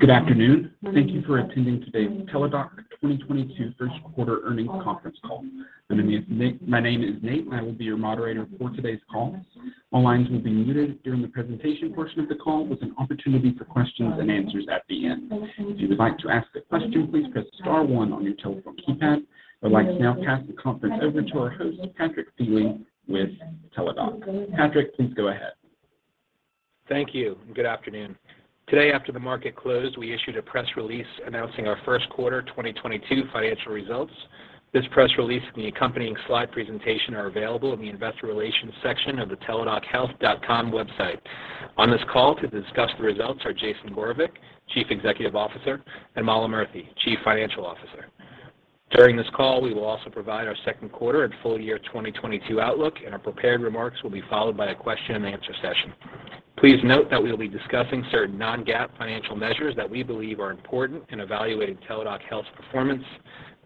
Good afternoon. Thank you for attending today's Teladoc 2022 first quarter earnings conference call. My name is Nate, and I will be your moderator for today's call. All lines will be muted during the presentation portion of the call with an opportunity for questions and answers at the end. If you would like to ask a question, please press star one on your telephone keypad. I would like to now pass the conference over to our host, Patrick Feeley with Teladoc. Patrick, please go ahead. Thank you, and good afternoon. Today, after the market closed, we issued a press release announcing our first quarter 2022 financial results. This press release and the accompanying slide presentation are available in the investor relations section of the teladochealth.com website. On this call to discuss the results are Jason Gorevic, Chief Executive Officer, and Mala Murthy, Chief Financial Officer. During this call, we will also provide our second quarter and full year 2022 outlook, and our prepared remarks will be followed by a question-and-answer session. Please note that we will be discussing certain non-GAAP financial measures that we believe are important in evaluating Teladoc Health's performance.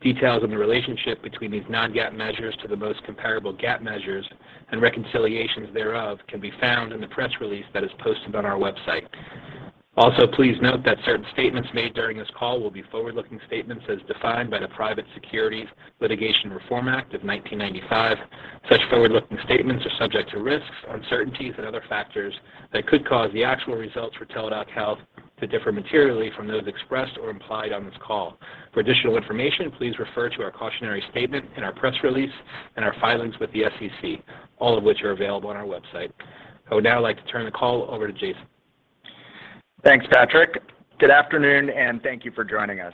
Details on the relationship between these non-GAAP measures to the most comparable GAAP measures and reconciliations thereof can be found in the press release that is posted on our website. Also, please note that certain statements made during this call will be forward-looking statements as defined by the Private Securities Litigation Reform Act of 1995. Such forward-looking statements are subject to risks, uncertainties and other factors that could cause the actual results for Teladoc Health to differ materially from those expressed or implied on this call. For additional information, please refer to our cautionary statement in our press release and our filings with the SEC, all of which are available on our website. I would now like to turn the call over to Jason. Thanks, Patrick. Good afternoon, and thank you for joining us.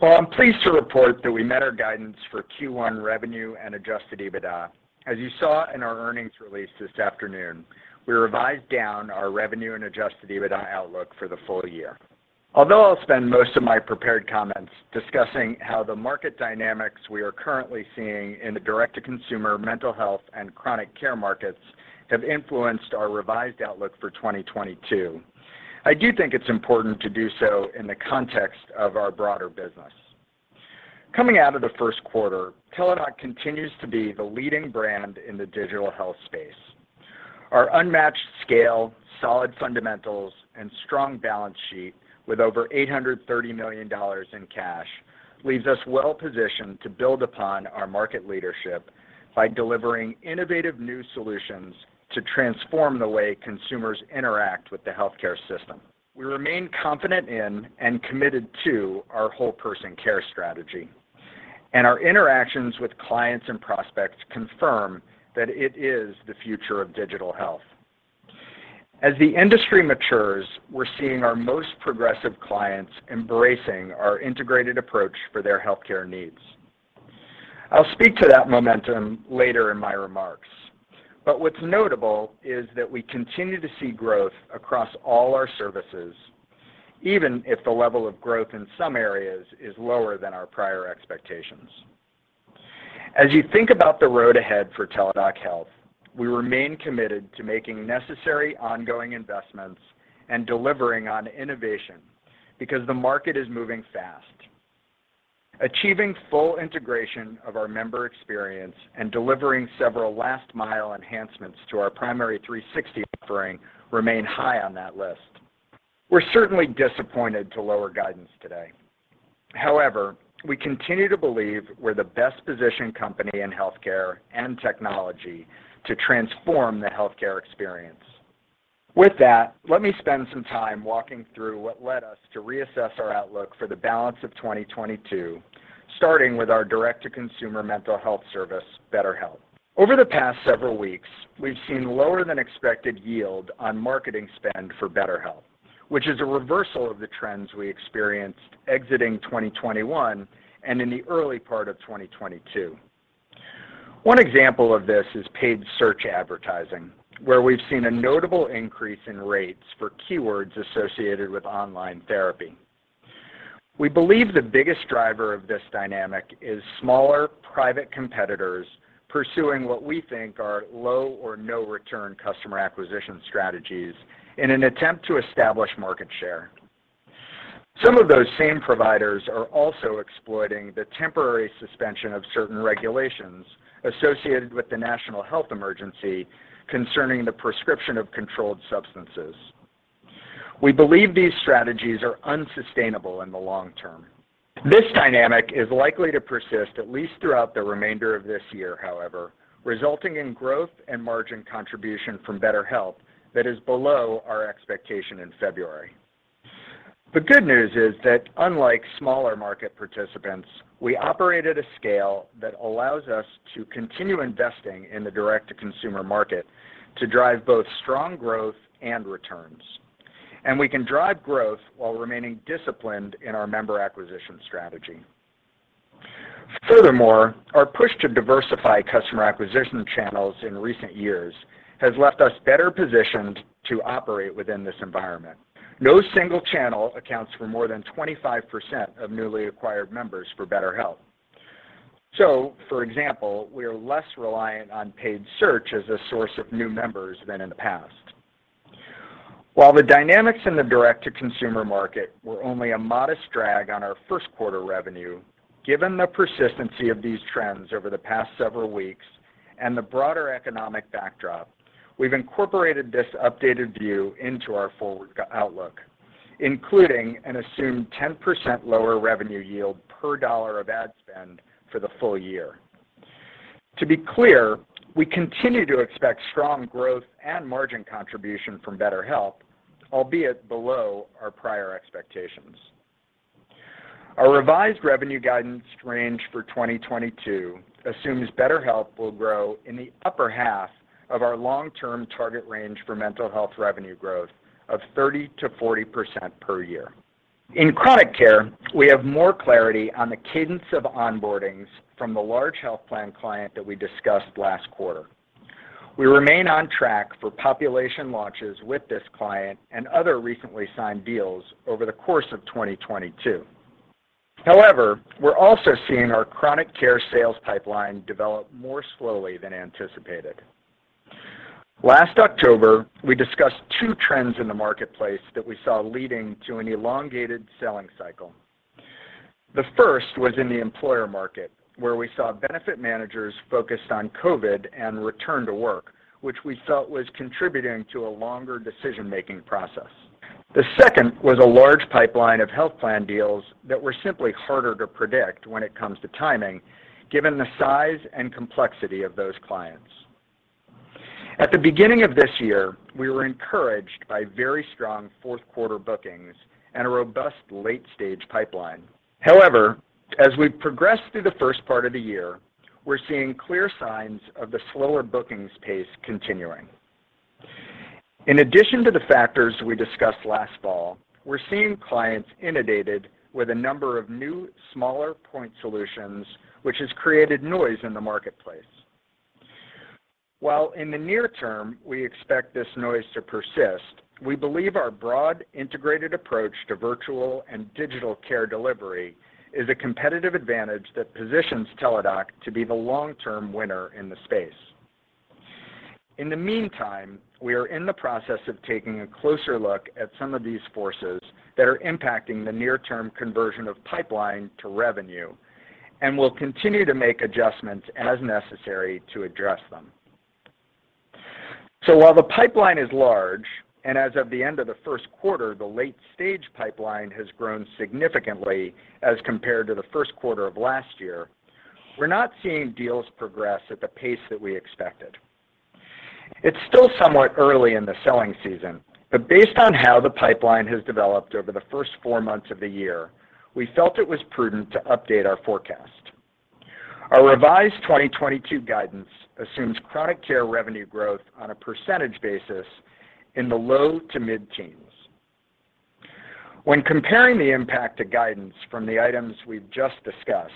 Well, I'm pleased to report that we met our guidance for Q1 revenue and adjusted EBITDA. As you saw in our earnings release this afternoon, we revised down our revenue and adjusted EBITDA outlook for the full year. Although I'll spend most of my prepared comments discussing how the market dynamics we are currently seeing in the direct-to-consumer mental health and chronic care markets have influenced our revised outlook for 2022, I do think it's important to do so in the context of our broader business. Coming out of the first quarter, Teladoc continues to be the leading brand in the digital health space. Our unmatched scale, solid fundamentals, and strong balance sheet with over $830 million in cash leaves us well positioned to build upon our market leadership by delivering innovative new solutions to transform the way consumers interact with the healthcare system. We remain confident in and committed to our whole person care strategy, and our interactions with clients and prospects confirm that it is the future of digital health. As the industry matures, we're seeing our most progressive clients embracing our integrated approach for their healthcare needs. I'll speak to that momentum later in my remarks. What's notable is that we continue to see growth across all our services, even if the level of growth in some areas is lower than our prior expectations. As you think about the road ahead for Teladoc Health, we remain committed to making necessary ongoing investments and delivering on innovation because the market is moving fast. Achieving full integration of our member experience and delivering several last-mile enhancements to our Primary360 offering remain high on that list. We're certainly disappointed to lower guidance today. However, we continue to believe we're the best positioned company in healthcare and technology to transform the healthcare experience. With that, let me spend some time walking through what led us to reassess our outlook for the balance of 2022, starting with our direct-to-consumer mental health service, BetterHelp. Over the past several weeks, we've seen lower than expected yield on marketing spend for BetterHelp, which is a reversal of the trends we experienced exiting 2021 and in the early part of 2022. One example of this is paid search advertising, where we've seen a notable increase in rates for keywords associated with online therapy. We believe the biggest driver of this dynamic is smaller private competitors pursuing what we think are low or no return customer acquisition strategies in an attempt to establish market share. Some of those same providers are also exploiting the temporary suspension of certain regulations associated with the Public Health Emergency concerning the prescription of controlled substances. We believe these strategies are unsustainable in the long term. This dynamic is likely to persist at least throughout the remainder of this year, however, resulting in growth and margin contribution from BetterHelp that is below our expectation in February. The good news is that unlike smaller market participants, we operate at a scale that allows us to continue investing in the direct-to-consumer market to drive both strong growth and returns. We can drive growth while remaining disciplined in our member acquisition strategy. Furthermore, our push to diversify customer acquisition channels in recent years has left us better positioned to operate within this environment. No single channel accounts for more than 25% of newly acquired members for BetterHelp. For example, we are less reliant on paid search as a source of new members than in the past. While the dynamics in the direct-to-consumer market were only a modest drag on our first quarter revenue, given the persistency of these trends over the past several weeks and the broader economic backdrop, we've incorporated this updated view into our forward outlook, including an assumed 10% lower revenue yield per dollar of ad spend for the full year. To be clear, we continue to expect strong growth and margin contribution from BetterHelp, albeit below our prior expectations. Our revised revenue guidance range for 2022 assumes BetterHelp will grow in the upper half of our long-term target range for mental health revenue growth of 30%-40% per year. In Chronic Care, we have more clarity on the cadence of onboardings from the large health plan client that we discussed last quarter. We remain on track for population launches with this client and other recently signed deals over the course of 2022. However, we're also seeing our Chronic Care sales pipeline develop more slowly than anticipated. Last October, we discussed two trends in the marketplace that we saw leading to an elongated selling cycle. The first was in the employer market, where we saw benefit managers focused on COVID and return to work, which we felt was contributing to a longer decision-making process. The second was a large pipeline of health plan deals that were simply harder to predict when it comes to timing, given the size and complexity of those clients. At the beginning of this year, we were encouraged by very strong fourth quarter bookings and a robust late-stage pipeline. However, as we progress through the first part of the year, we're seeing clear signs of the slower bookings pace continuing. In addition to the factors we discussed last fall, we're seeing clients inundated with a number of new, smaller point solutions, which has created noise in the marketplace. While in the near term, we expect this noise to persist, we believe our broad integrated approach to virtual and digital care delivery is a competitive advantage that positions Teladoc to be the long-term winner in the space. In the meantime, we are in the process of taking a closer look at some of these forces that are impacting the near-term conversion of pipeline to revenue, and we'll continue to make adjustments as necessary to address them. While the pipeline is large, and as of the end of the first quarter, the late-stage pipeline has grown significantly as compared to the first quarter of last year, we're not seeing deals progress at the pace that we expected. It's still somewhat early in the selling season, but based on how the pipeline has developed over the first four months of the year, we felt it was prudent to update our forecast. Our revised 2022 guidance assumes Chronic Care revenue growth on a percentage basis in the low- to mid-teens. When comparing the impact to guidance from the items we've just discussed,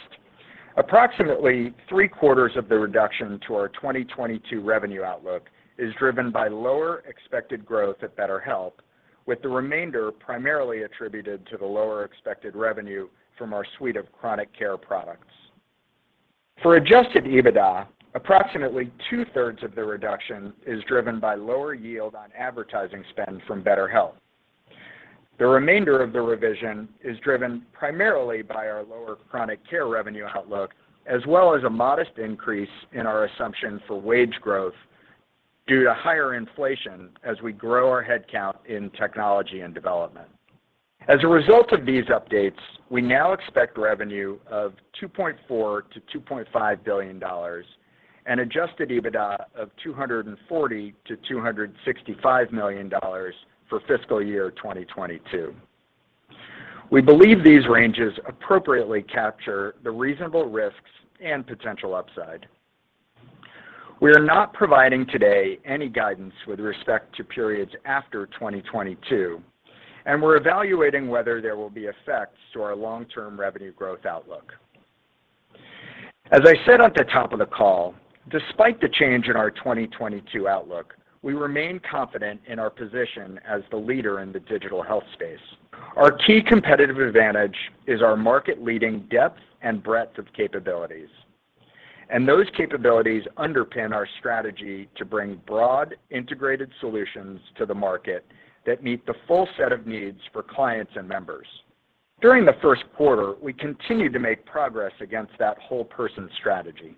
approximately three-quarters of the reduction to our 2022 revenue outlook is driven by lower expected growth at BetterHelp, with the remainder primarily attributed to the lower expected revenue from our suite of Chronic Care products. For adjusted EBITDA, approximately two-thirds of the reduction is driven by lower yield on advertising spend from BetterHelp. The remainder of the revision is driven primarily by our lower Chronic Care revenue outlook, as well as a modest increase in our assumptions for wage growth due to higher inflation as we grow our head count in technology and development. As a result of these updates, we now expect revenue of $2.4 billion-$2.5 billion and adjusted EBITDA of $240 million-$265 million for fiscal year 2022. We believe these ranges appropriately capture the reasonable risks and potential upside. We are not providing today any guidance with respect to periods after 2022, and we're evaluating whether there will be effects to our long-term revenue growth outlook. As I said at the top of the call, despite the change in our 2022 outlook, we remain confident in our position as the leader in the digital health space. Our key competitive advantage is our market-leading depth and breadth of capabilities. Those capabilities underpin our strategy to bring broad integrated solutions to the market that meet the full set of needs for clients and members. During the first quarter, we continued to make progress against that whole person strategy.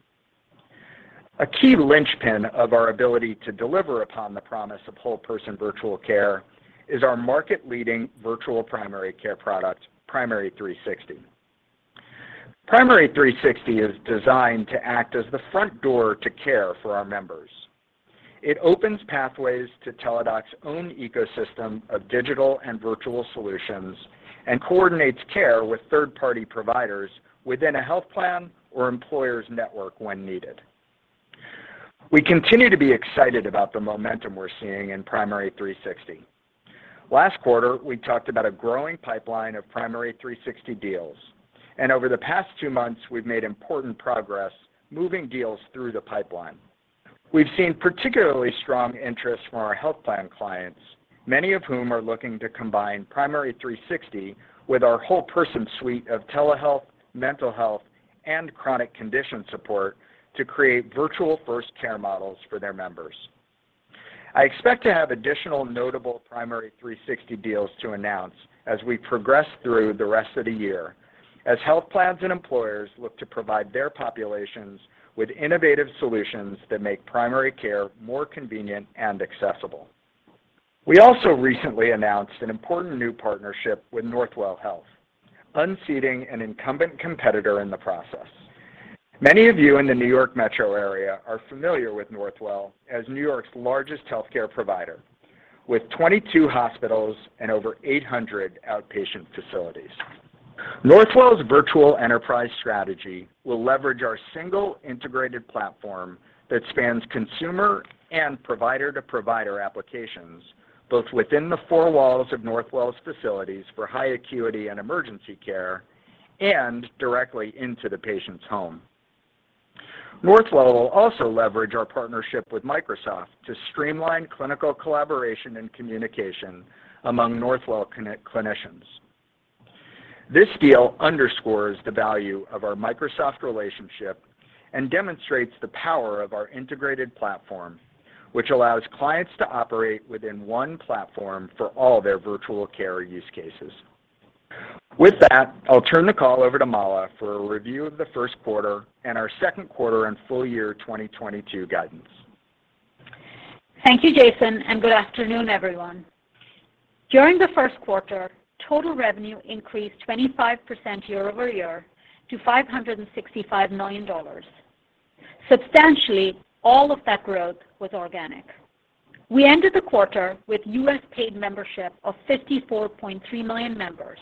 A key linchpin of our ability to deliver upon the promise of whole person virtual care is our market-leading virtual primary care product, Primary360. Primary360 is designed to act as the front door to care for our members. It opens pathways to Teladoc's own ecosystem of digital and virtual solutions and coordinates care with third-party providers within a health plan or employer's network when needed. We continue to be excited about the momentum we're seeing in Primary360. Last quarter, we talked about a growing pipeline of Primary360 deals, and over the past two months, we've made important progress moving deals through the pipeline. We've seen particularly strong interest from our health plan clients, many of whom are looking to combine Primary360 with our whole person suite of telehealth, mental health, and chronic condition support to create virtual-first care models for their members. I expect to have additional notable Primary360 deals to announce as we progress through the rest of the year as health plans and employers look to provide their populations with innovative solutions that make primary care more convenient and accessible. We also recently announced an important new partnership with Northwell Health, unseating an incumbent competitor in the process. Many of you in the New York metro area are familiar with Northwell as New York's largest healthcare provider with 22 hospitals and over 800 outpatient facilities. Northwell's virtual enterprise strategy will leverage our single integrated platform that spans consumer and provider to provider applications, both within the four walls of Northwell's facilities for high acuity and emergency care and directly into the patient's home. Northwell will also leverage our partnership with Microsoft to streamline clinical collaboration and communication among Northwell Connect clinicians. This deal underscores the value of our Microsoft relationship and demonstrates the power of our integrated platform, which allows clients to operate within one platform for all their virtual care use cases. With that, I'll turn the call over to Mala for a review of the first quarter and our second quarter and full year 2022 guidance. Thank you, Jason, and good afternoon, everyone. During the first quarter, total revenue increased 25% year-over-year to $565 million. Substantially, all of that growth was organic. We ended the quarter with U.S. paid membership of 54.3 million members,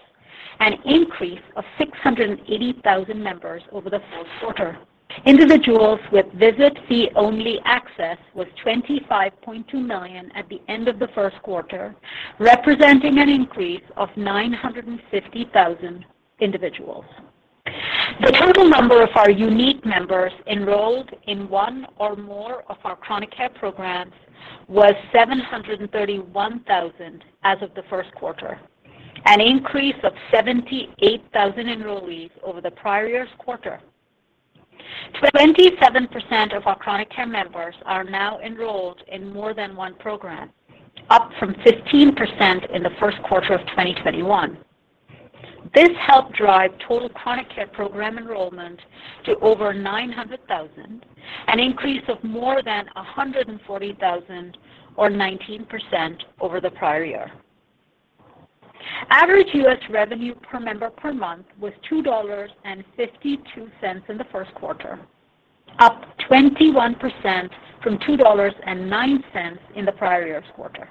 an increase of 680,000 members over the fourth quarter. Individuals with visit fee only access was 25.2 million at the end of the first quarter, representing an increase of 950,000 individuals. The total number of our unique members enrolled in one or more of our chronic care programs was 731,000 as of the first quarter, an increase of 78,000 enrollees over the prior year's quarter. 27% of our chronic care members are now enrolled in more than one program, up from 15% in the first quarter of 2021. This helped drive total chronic care program enrollment to over 900,000, an increase of more than 140,000 or 19% over the prior year. Average U.S. Revenue per member per month was $2.52 in the first quarter, up 21% from $2.09 in the prior year's quarter.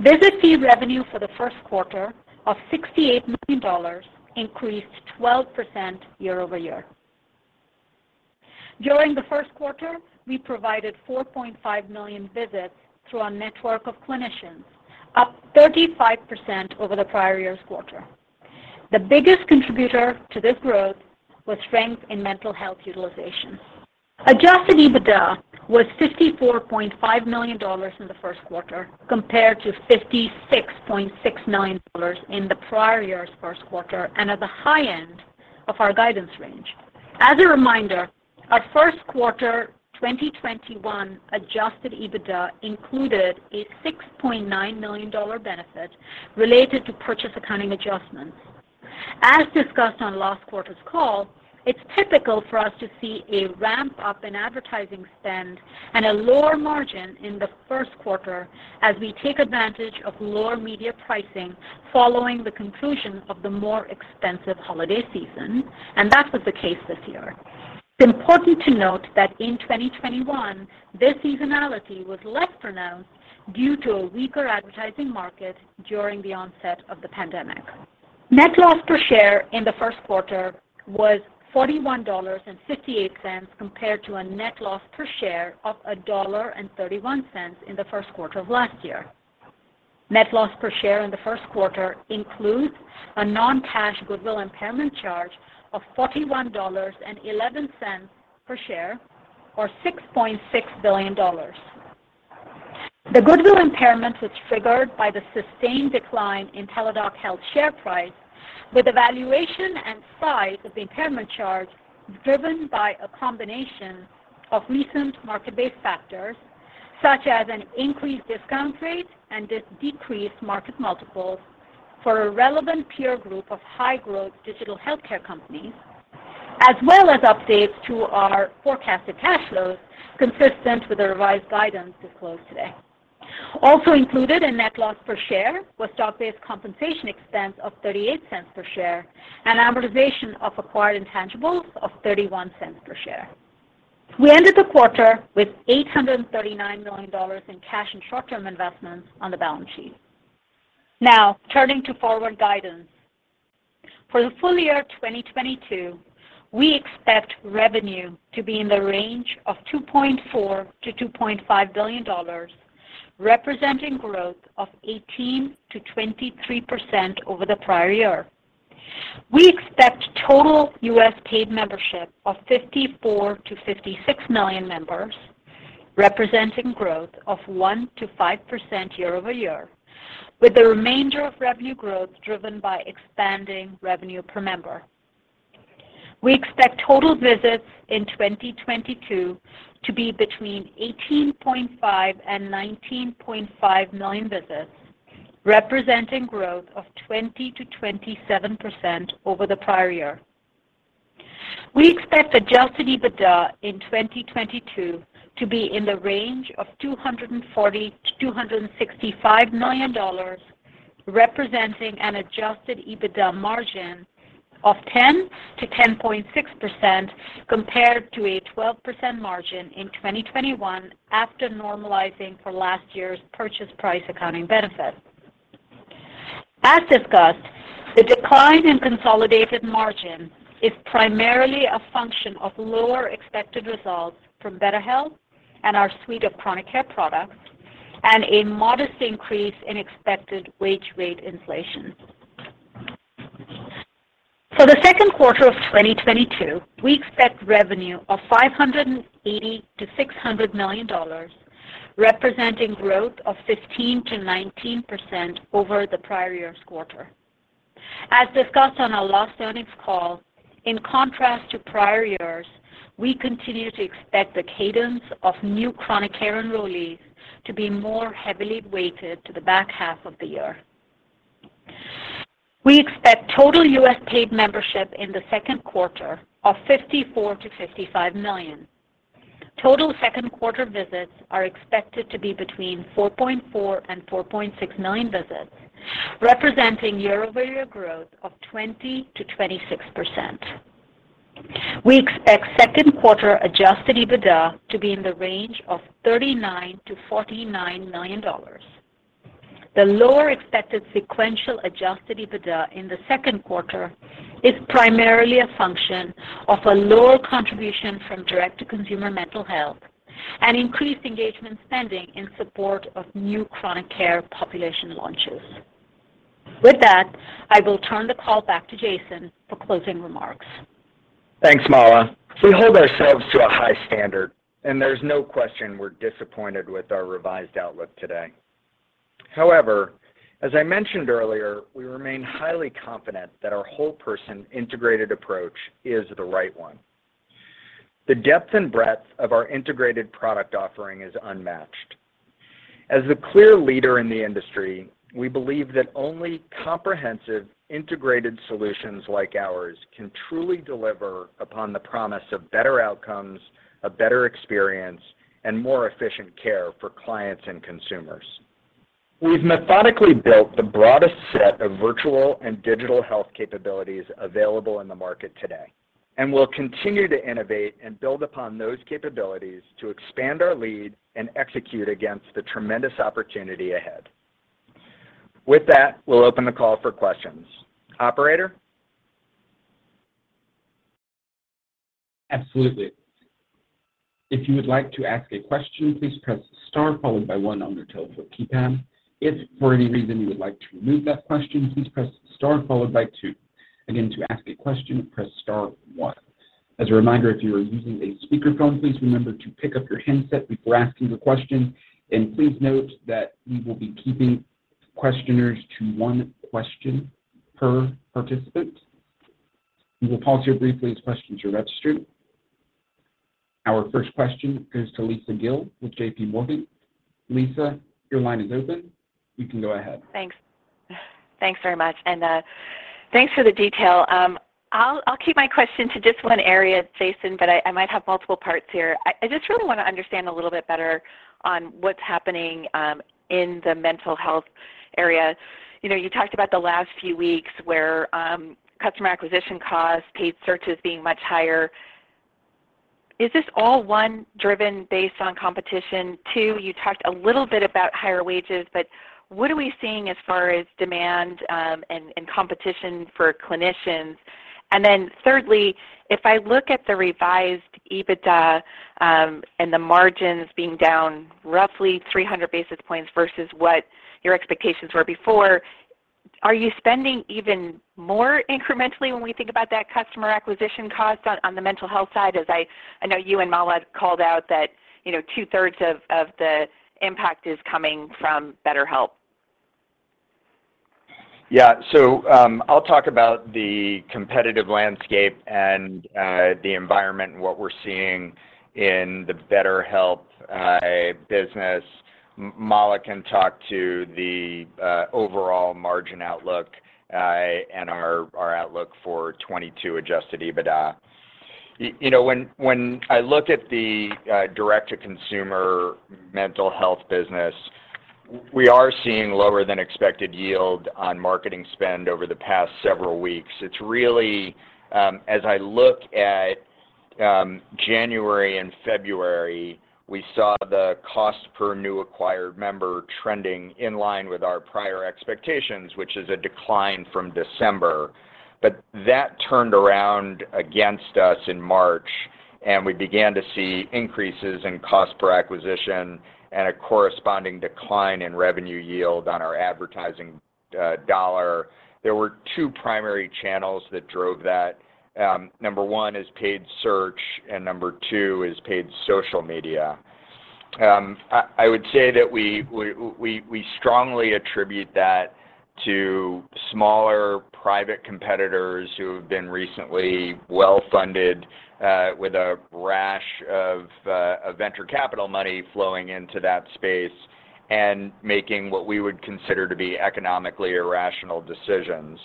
Visit fee revenue for the first quarter of $68 million increased 12% year-over-year. During the first quarter, we provided 4.5 million visits through our network of clinicians, up 35% over the prior year's quarter. The biggest contributor to this growth was strength in mental health utilization. Adjusted EBITDA was $54.5 million in the first quarter compared to $56.6 million in the prior year's first quarter and at the high end of our guidance range. As a reminder, our first quarter 2021 adjusted EBITDA included a $6.9 million benefit related to purchase accounting adjustments. As discussed on last quarter's call, it's typical for us to see a ramp up in advertising spend and a lower margin in the first quarter as we take advantage of lower media pricing following the conclusion of the more expensive holiday season, and that was the case this year. It's important to note that in 2021, this seasonality was less pronounced due to a weaker advertising market during the onset of the pandemic. Net loss per share in the first quarter was $41.58 compared to a net loss per share of $1.31 in the first quarter of last year. Net loss per share in the first quarter includes a non-cash goodwill impairment charge of $41.11 per share, or $6.6 billion. The goodwill impairment was triggered by the sustained decline in Teladoc Health share price with the valuation and size of the impairment charge driven by a combination of recent market-based factors such as an increased discount rate and decreased market multiples for a relevant peer group of high growth digital healthcare companies, as well as updates to our forecasted cash flows consistent with the revised guidance disclosed today. Also included in net loss per share was stock-based compensation expense of $0.38 per share and amortization of acquired intangibles of $0.31 per share. We ended the quarter with $839 million in cash and short-term investments on the balance sheet. Now, turning to forward guidance. For the full year 2022, we expect revenue to be in the range of $2.4 billion-$2.5 billion, representing growth of 18%-23% over the prior year. We expect total U.S. paid membership of 54 million-56 million members, representing growth of 1%-5% year-over-year, with the remainder of revenue growth driven by expanding revenue per member. We expect total visits in 2022 to be between 18.5 million-19.5 million visits, representing growth of 20%-27% over the prior year. We expect adjusted EBITDA in 2022 to be in the range of $240 million-$265 million, representing an adjusted EBITDA margin of 10%-10.6% compared to a 12% margin in 2021 after normalizing for last year's purchase price accounting benefit. As discussed, the decline in consolidated margin is primarily a function of lower expected results from BetterHelp and our suite of Chronic Care products and a modest increase in expected wage rate inflation. For the second quarter of 2022, we expect revenue of $580 million-$600 million, representing growth of 15%-19% over the prior year's quarter. As discussed on our last earnings call, in contrast to prior years, we continue to expect the cadence of new Chronic Care enrollees to be more heavily weighted to the back half of the year. We expect total U.S. paid membership in the second quarter of 54 million-55 million. Total second quarter visits are expected to be between 4.4 million and 4.6 million visits, representing year-over-year growth of 20%-26%. We expect second quarter Adjusted EBITDA to be in the range of $39 million-$49 million. The lower expected sequential Adjusted EBITDA in the second quarter is primarily a function of a lower contribution from direct-to-consumer mental health and increased engagement spending in support of new Chronic Care population launches. With that, I will turn the call back to Jason for closing remarks. Thanks, Mala. We hold ourselves to a high standard, and there's no question we're disappointed with our revised outlook today. However, as I mentioned earlier, we remain highly confident that our whole person integrated approach is the right one. The depth and breadth of our integrated product offering is unmatched. As the clear leader in the industry, we believe that only comprehensive integrated solutions like ours can truly deliver upon the promise of better outcomes, a better experience, and more efficient care for clients and consumers. We've methodically built the broadest set of virtual and digital health capabilities available in the market today, and we'll continue to innovate and build upon those capabilities to expand our lead and execute against the tremendous opportunity ahead. With that, we'll open the call for questions. Operator? Absolutely. If you would like to ask a question, please press star followed by one on your telephone keypad. If, for any reason, you would like to remove that question, please press star followed by two. Again, to ask a question, press star one. As a reminder, if you are using a speakerphone, please remember to pick up your handset before asking the question, and please note that we will be keeping questioners to one question per participant. We will pause here briefly as questions are registered. Our first question goes to Lisa Gill with JPMorgan. Lisa, your line is open. You can go ahead. Thanks. Thanks very much. Thanks for the detail. I'll keep my question to just one area, Jason, but I might have multiple parts here. I just really wanna understand a little bit better on what's happening in the mental health area. You know, you talked about the last few weeks where customer acquisition costs, paid searches being much higher. Is this all one, driven based on competition? Two, you talked a little bit about higher wages, but what are we seeing as far as demand and competition for clinicians? And then thirdly, if I look at the revised EBITDA and the margins being down roughly 300 basis points versus what your expectations were before, are you spending even more incrementally when we think about that customer acquisition cost on the mental health side? As I know you and Mala called out that, you know, two-thirds of the impact is coming from BetterHelp. Yeah. I'll talk about the competitive landscape and the environment and what we're seeing in the BetterHelp business. Mala can talk to the overall margin outlook and our outlook for 2022 adjusted EBITDA. You know, when I look at the direct-to-consumer mental health business, we are seeing lower than expected yield on marketing spend over the past several weeks. It's really, as I look at January and February, we saw the cost per new acquired member trending in line with our prior expectations, which is a decline from December. But that turned around against us in March, and we began to see increases in cost per acquisition and a corresponding decline in revenue yield on our advertising dollar. There were two primary channels that drove that. Number one is paid search, and number two is paid social media. I would say that we strongly attribute that to smaller private competitors who have been recently well-funded, with a rash of venture capital money flowing into that space and making what we would consider to be economically irrational decisions.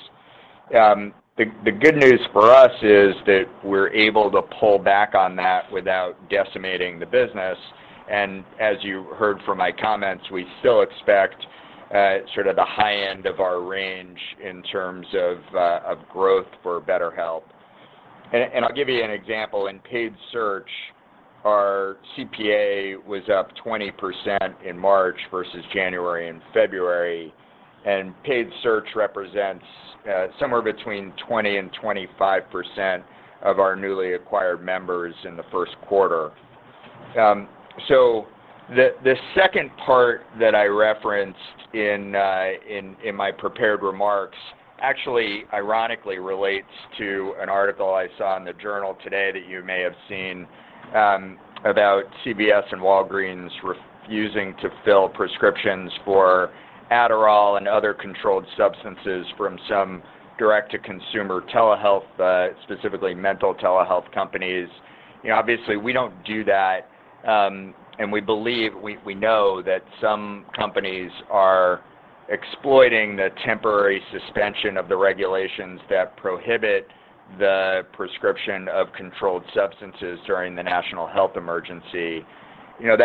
The good news for us is that we're able to pull back on that without decimating the business, and as you heard from my comments, we still expect sort of the high end of our range in terms of growth for BetterHelp. I'll give you an example. In paid search, our CPA was up 20% in March versus January and February, and paid search represents somewhere between 20%-25% of our newly acquired members in the first quarter. The second part that I referenced in my prepared remarks actually ironically relates to an article I saw in the journal today that you may have seen about CVS and Walgreens refusing to fill prescriptions for Adderall and other controlled substances from some direct-to-consumer telehealth specifically mental telehealth companies. You know, obviously, we don't do that, and we believe we know that some companies are exploiting the temporary suspension of the regulations that prohibit the prescription of controlled substances during the national health emergency. You know,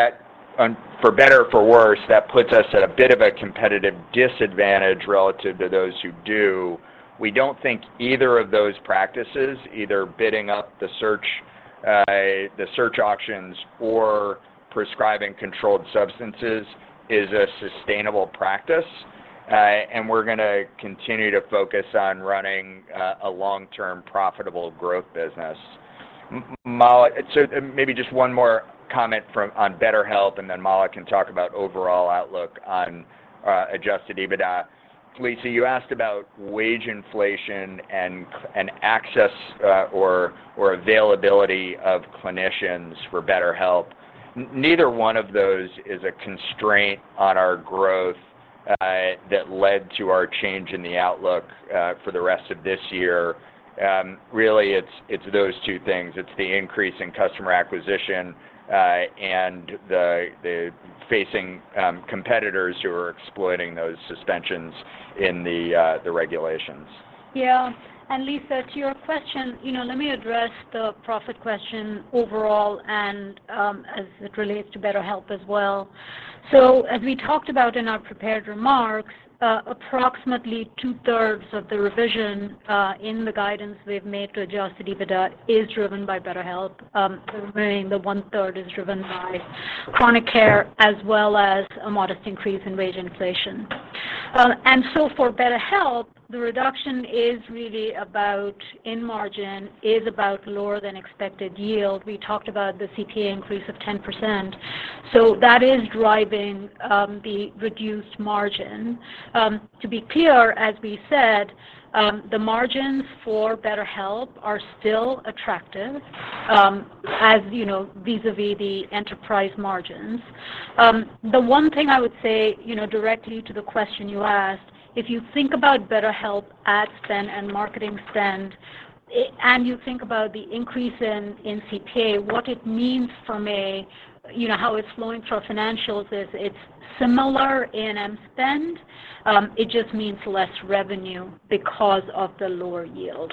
that for better or for worse, that puts us at a bit of a competitive disadvantage relative to those who do. We don't think either of those practices, either bidding up the search auctions or prescribing controlled substances is a sustainable practice, and we're gonna continue to focus on running a long-term profitable growth business. Maybe just one more comment on BetterHelp, and then Mala can talk about overall outlook on adjusted EBITDA. Lisa, you asked about wage inflation and access or availability of clinicians for BetterHelp. Neither one of those is a constraint on our growth that led to our change in the outlook for the rest of this year. Really it's those two things. It's the increase in customer acquisition and the facing competitors who are exploiting those suspensions in the regulations. Yeah. Lisa, to your question, you know, let me address the profit question overall and as it relates to BetterHelp as well. As we talked about in our prepared remarks, approximately two-thirds of the revision in the guidance we've made to adjusted EBITDA is driven by BetterHelp. Remaining, the one-third is driven by Chronic Care as well as a modest increase in wage inflation. For BetterHelp, the reduction is really about in margin, is about lower than expected yield. We talked about the CPA increase of 10%, so that is driving the reduced margin. To be clear, as we said, the margins for BetterHelp are still attractive, as you know, vis-a-vis the enterprise margins. The one thing I would say, you know, directly to the question you asked, if you think about BetterHelp ad spend and marketing spend and you think about the increase in CPA, what it means from a, you know, how it's flowing through our financials is it's similar in spend, it just means less revenue because of the lower yield.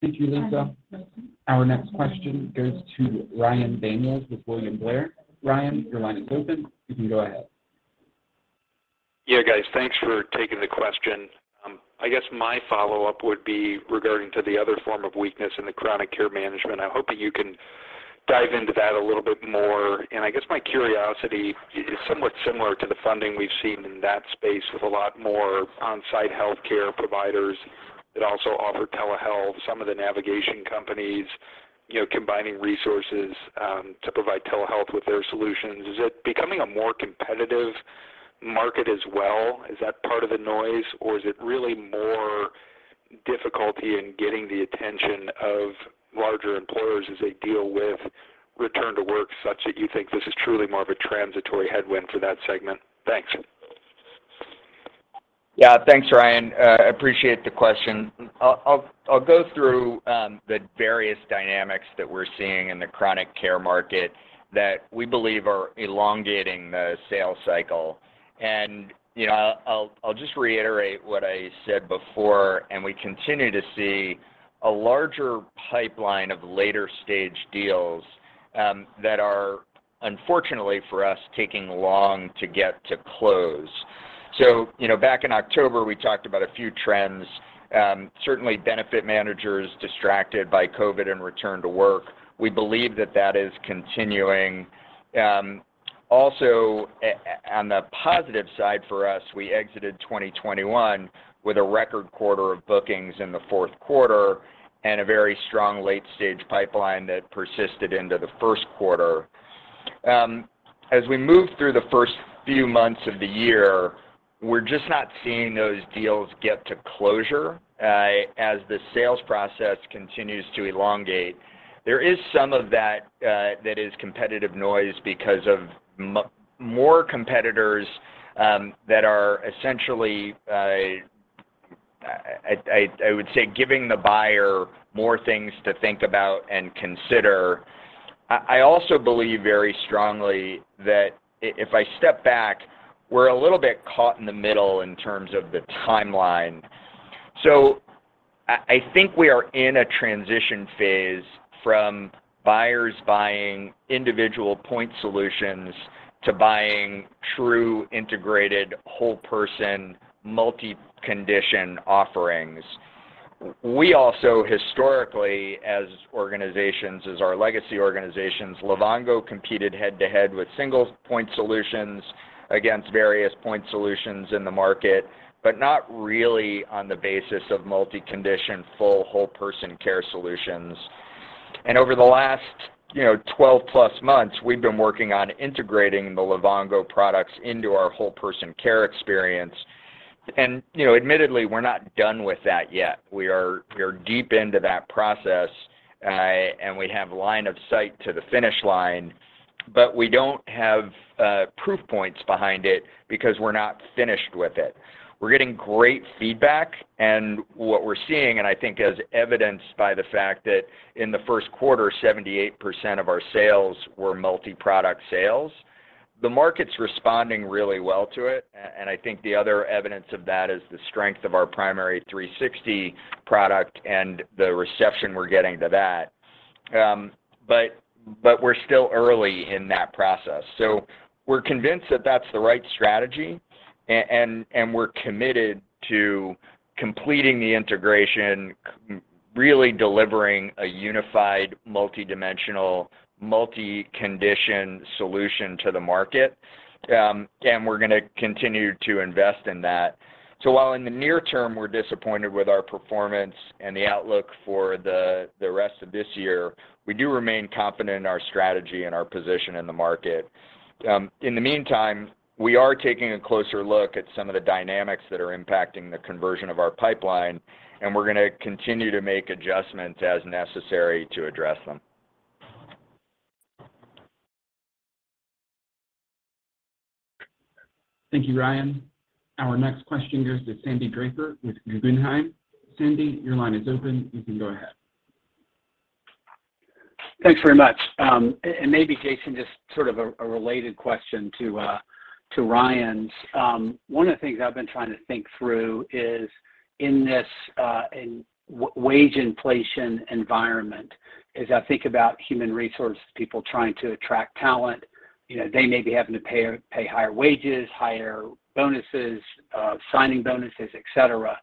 Thank you, Lisa. Our next question goes to Ryan Daniels with William Blair. Ryan, your line is open. You can go ahead. Yeah, guys. Thanks for taking the question. I guess my follow-up would be regarding to the other form of weakness in the Chronic Care management. I'm hoping you can dive into that a little bit more, and I guess my curiosity is somewhat similar to the funding we've seen in that space with a lot more on-site healthcare providers that also offer telehealth, some of the navigation companies, you know, combining resources, to provide telehealth with their solutions. Is it becoming a more competitive market as well? Is that part of the noise, or is it really more difficulty in getting the attention of larger employers as they deal with return to work such that you think this is truly more of a transitory headwind for that segment? Thanks. Yeah. Thanks, Ryan. Appreciate the question. I'll go through the various dynamics that we're seeing in the chronic care market that we believe are elongating the sales cycle. You know, I'll just reiterate what I said before, and we continue to see a larger pipeline of later stage deals that are unfortunately for us taking long to get to close. You know, back in October, we talked about a few trends, certainly benefit managers distracted by COVID and return to work. We believe that is continuing. Also on the positive side for us, we exited 2021 with a record quarter of bookings in the fourth quarter and a very strong late-stage pipeline that persisted into the first quarter. As we move through the first few months of the year, we're just not seeing those deals get to closure, as the sales process continues to elongate. There is some of that that is competitive noise because of more competitors, that are essentially, I would say giving the buyer more things to think about and consider. I also believe very strongly that if I step back, we're a little bit caught in the middle in terms of the timeline. I think we are in a transition phase from buyers buying individual point solutions to buying true integrated whole person multi-condition offerings. We also historically as organizations, as our legacy organizations, Livongo competed head-to-head with single point solutions against various point solutions in the market, but not really on the basis of multi-condition full whole person care solutions. Over the last, you know, 12+ months, we've been working on integrating the Livongo products into our whole person care experience. You know, admittedly, we're not done with that yet. We're deep into that process, and we have line of sight to the finish line, but we don't have proof points behind it because we're not finished with it. We're getting great feedback and what we're seeing, and I think as evidenced by the fact that in the first quarter, 78% of our sales were multi-product sales. The market's responding really well to it, and I think the other evidence of that is the strength of our Primary360 product and the reception we're getting to that. But we're still early in that process. We're convinced that that's the right strategy and we're committed to completing the integration, really delivering a unified multi-dimensional, multi-condition solution to the market, and we're gonna continue to invest in that. While in the near term, we're disappointed with our performance and the outlook for the rest of this year, we do remain confident in our strategy and our position in the market. In the meantime, we are taking a closer look at some of the dynamics that are impacting the conversion of our pipeline, and we're gonna continue to make adjustments as necessary to address them. Thank you, Ryan. Our next question goes to Sandy Draper with Guggenheim. Sandy, your line is open, you can go ahead. Thanks very much. Maybe Jason, just sort of a related question to Ryan's. One of the things I've been trying to think through is in this wage inflation environment, as I think about human resources, people trying to attract talent, you know, they may be having to pay higher wages, higher bonuses, signing bonuses, et cetera.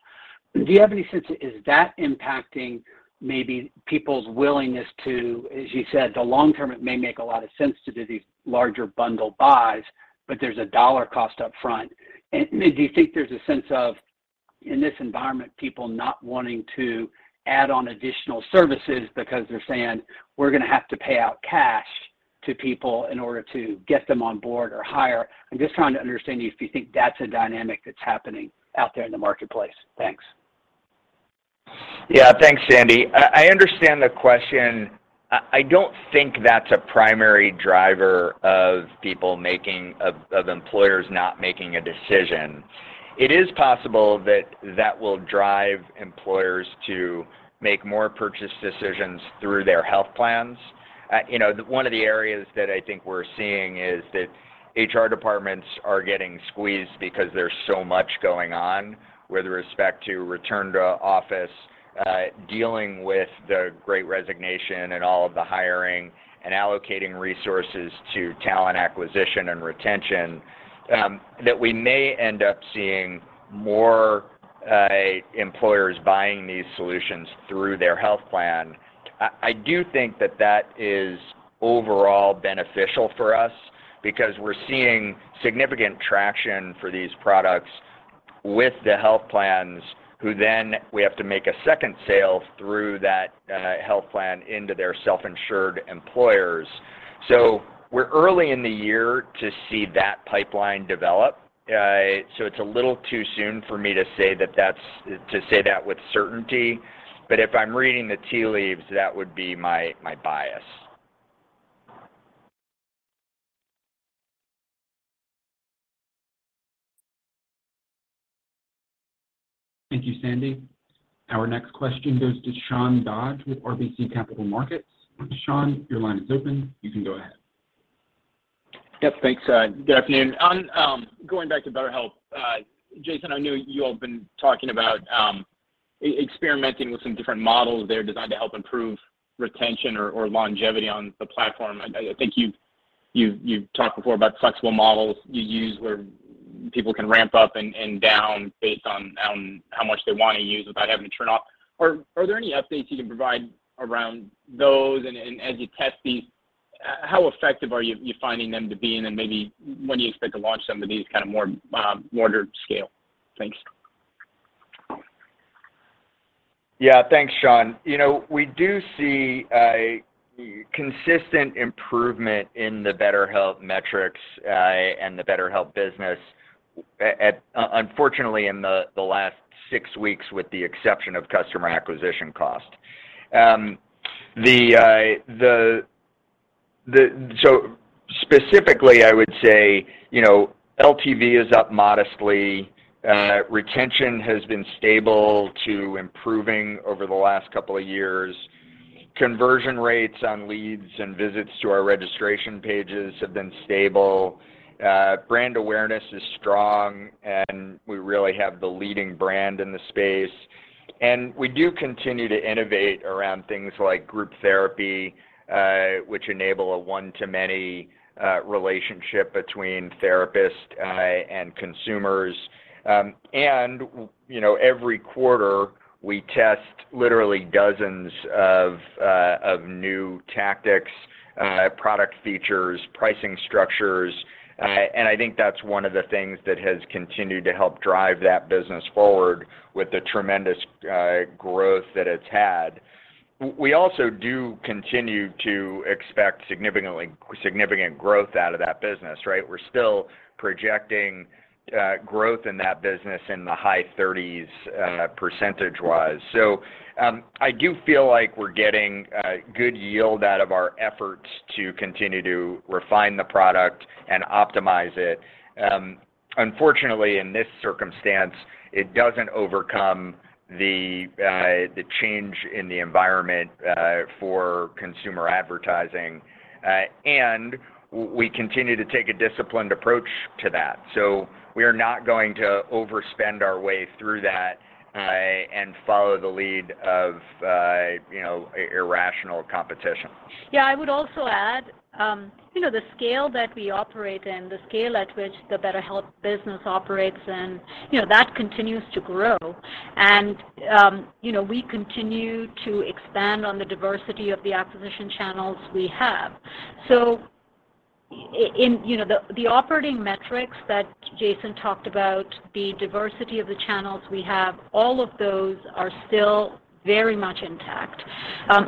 Do you have any sense, is that impacting maybe people's willingness to, as you said, the long term it may make a lot of sense to do these larger bundle buys, but there's a dollar cost up front. Do you think there's a sense of, in this environment, people not wanting to add on additional services because they're saying, "We're gonna have to pay out cash to people in order to get them on board or hire"? I'm just trying to understand if you think that's a dynamic that's happening out there in the marketplace? Thanks. Yeah. Thanks, Sandy. I understand the question. I don't think that's a primary driver of employers not making a decision. It is possible that will drive employers to make more purchase decisions through their health plans. You know, one of the areas that I think we're seeing is that HR departments are getting squeezed because there's so much going on with respect to return to office, dealing with the Great Resignation and all of the hiring and allocating resources to talent acquisition and retention, that we may end up seeing more employers buying these solutions through their health plan. I do think that is overall beneficial for us because we're seeing significant traction for these products with the health plans, who then we have to make a second sale through that health plan into their self-insured employers. We're early in the year to see that pipeline develop, so it's a little too soon for me to say that with certainty. If I'm reading the tea leaves, that would be my bias. Thank you, Sandy. Our next question goes to Sean Dodge with RBC Capital Markets. Sean, your line is open, you can go ahead. Yep. Thanks. Good afternoon. On going back to BetterHelp, Jason, I know you all have been talking about experimenting with some different models there designed to help improve retention or longevity on the platform. I think you've talked before about flexible models you use where people can ramp up and down based on how much they wanna use without having to turn off. Are there any updates you can provide around those? As you test these, how effective are you finding them to be? Maybe when do you expect to launch some of these kind of more scalable? Thanks. Yeah. Thanks, Sean. You know, we do see a consistent improvement in the BetterHelp metrics and the BetterHelp business, unfortunately, in the last six weeks, with the exception of customer acquisition cost. Specifically, I would say, you know, LTV is up modestly. Retention has been stable to improving over the last couple of years. Conversion rates on leads and visits to our registration pages have been stable. Brand awareness is strong, and we really have the leading brand in the space. We do continue to innovate around things like group therapy, which enable a one-to-many relationship between therapists and consumers. You know, every quarter, we test literally dozens of new tactics, product features, pricing structures. I think that's one of the things that has continued to help drive that business forward with the tremendous growth that it's had. We also do continue to expect significant growth out of that business, right? We're still projecting growth in that business in the high 30s in the percentagewise. I do feel like we're getting a good yield out of our efforts to continue to refine the product and optimize it. Unfortunately, in this circumstance, it doesn't overcome the change in the environment for consumer advertising. We continue to take a disciplined approach to that. We are not going to overspend our way through that and follow the lead of you know, irrational competition. Yeah. I would also add, you know, the scale that we operate in, the scale at which the BetterHelp business operates and, you know, that continues to grow. You know, we continue to expand on the diversity of the acquisition channels we have. In, you know, the operating metrics that Jason talked about, the diversity of the channels we have, all of those are still very much intact.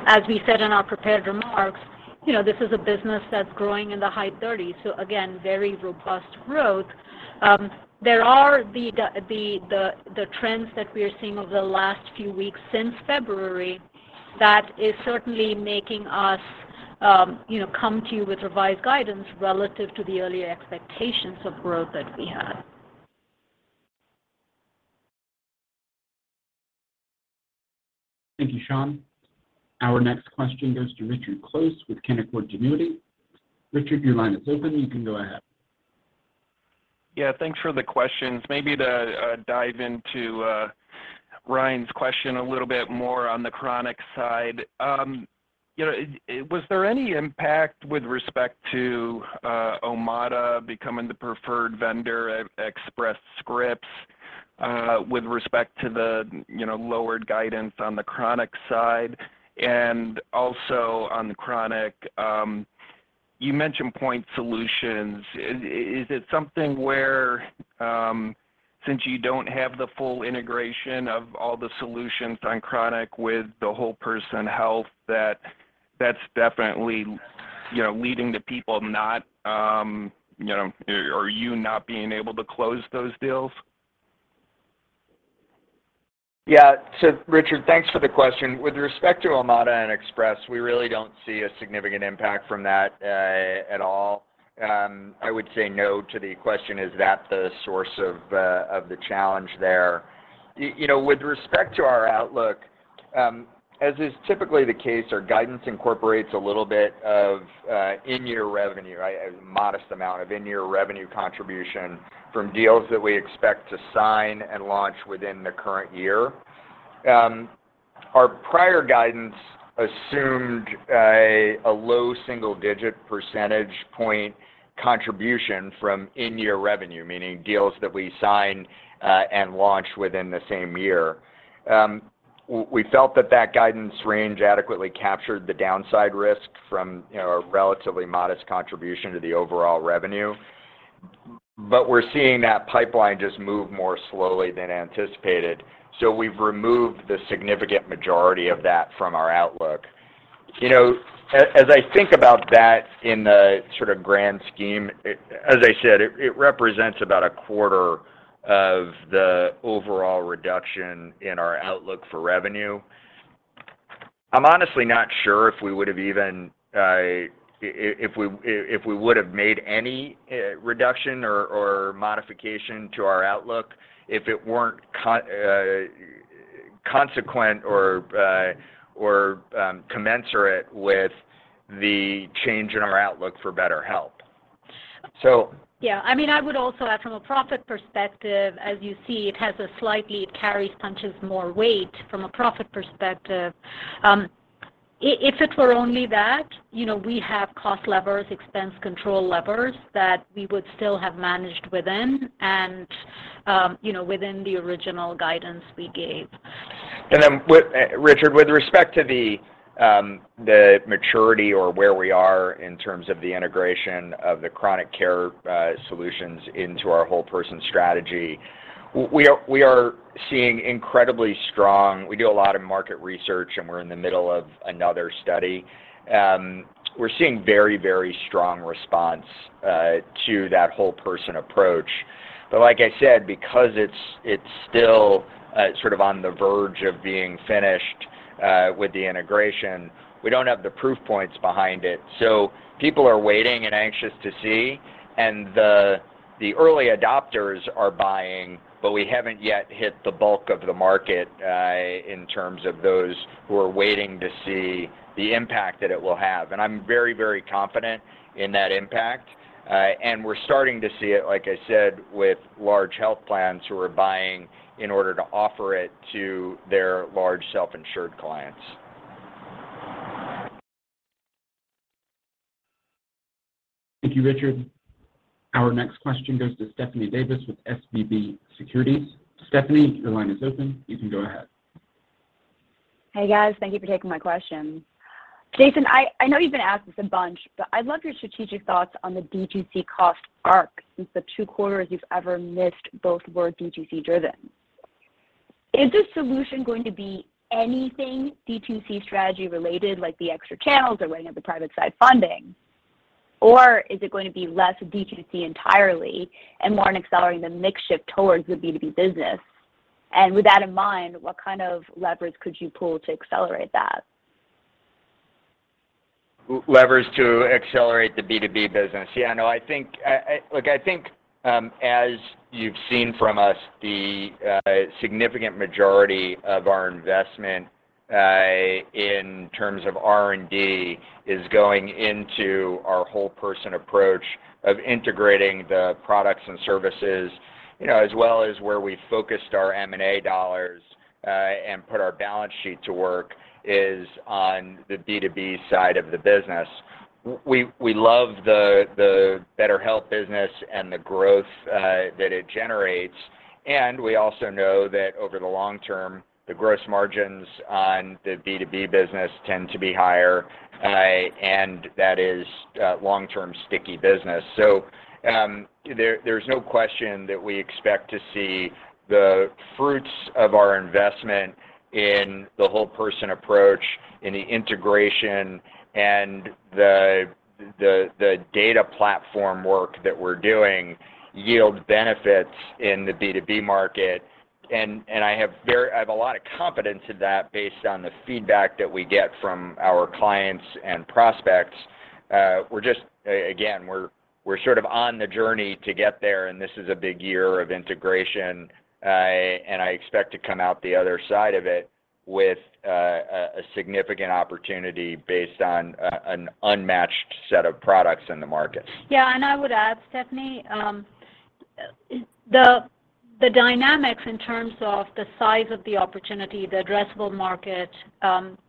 As we said in our prepared remarks, you know, this is a business that's growing in the high 30s, so again, very robust growth. There are the trends that we are seeing over the last few weeks since February that is certainly making us, you know, come to you with revised guidance relative to the earlier expectations of growth that we had. Thank you, Sean. Our next question goes to Richard Close with Canaccord Genuity. Richard, your line is open. You can go ahead. Yeah. Thanks for the questions. Maybe to dive into Ryan's question a little bit more on the chronic side. Was there any impact with respect to Omada becoming the preferred vendor at Express Scripts with respect to the lowered guidance on the chronic side? Also on the chronic, you mentioned point solutions. Is it something where since you don't have the full integration of all the solutions on chronic with the whole person health, that that's definitely leading to people not being able to close those deals? Yeah. Richard, thanks for the question. With respect to Omada and Express, we really don't see a significant impact from that at all. I would say no to the question, is that the source of the challenge there? You know, with respect to our outlook, as is typically the case, our guidance incorporates a little bit of in-year revenue, right, a modest amount of in-year revenue contribution from deals that we expect to sign and launch within the current year. Our prior guidance assumed a low single-digit percentage point contribution from in-year revenue, meaning deals that we sign and launch within the same year. We felt that guidance range adequately captured the downside risk from, you know, a relatively modest contribution to the overall revenue. We're seeing that pipeline just move more slowly than anticipated. We've removed the significant majority of that from our outlook. You know, as I think about that in the sort of grand scheme, as I said, it represents about a quarter of the overall reduction in our outlook for revenue. I'm honestly not sure if we would have even if we would have made any reduction or modification to our outlook if it weren't consequent or commensurate with the change in our outlook for BetterHelp. Yeah. I mean, I would also add from a profit perspective, as you see, it carries, punches more weight from a profit perspective. If it were only that, you know, we have cost levers, expense control levers that we would still have managed within and, you know, within the original guidance we gave. With respect to the maturity or where we are in terms of the integration of the chronic care solutions into our whole person strategy, we are seeing incredibly strong. We do a lot of market research, and we're in the middle of another study. We're seeing very, very strong response to that whole person approach. But like I said, because it's still sort of on the verge of being finished with the integration, we don't have the proof points behind it. People are waiting and anxious to see, and the early adopters are buying, but we haven't yet hit the bulk of the market in terms of those who are waiting to see the impact that it will have. I'm very, very confident in that impact, and we're starting to see it, like I said, with large health plans who are buying in order to offer it to their large self-insured clients. Thank you, Richard. Our next question goes to Stephanie Davis with SVB Securities. Stephanie, your line is open. You can go ahead. Hey, guys. Thank you for taking my questions. Jason, I know you've been asked this a bunch, but I'd love your strategic thoughts on the DTC cost arc since the two quarters you've ever missed both were DTC-driven. Is this solution going to be anything DTC strategy related, like the extra channels or weighing up the private side funding? Or is it going to be less DTC entirely and more on accelerating the mix shift towards the B2B business? With that in mind, what kind of levers could you pull to accelerate that? Levers to accelerate the B2B business. Yeah, no, I think, look, I think, as you've seen from us, the significant majority of our investment in terms of R&D is going into our whole person approach of integrating the products and services, you know, as well as where we focused our M&A dollars and put our balance sheet to work is on the B2B side of the business. We love the BetterHelp business and the growth that it generates, and we also know that over the long term, the gross margins on the B2B business tend to be higher, and that is long-term sticky business. There's no question that we expect to see the fruits of our investment in the whole person approach, in the integration and the data platform work that we're doing yield benefits in the B2B market. I have a lot of confidence in that based on the feedback that we get from our clients and prospects. We're just again, we're sort of on the journey to get there, and this is a big year of integration, and I expect to come out the other side of it with a significant opportunity based on an unmatched set of products in the market. Yeah, I would add, Stephanie, the dynamics in terms of the size of the opportunity, the addressable market,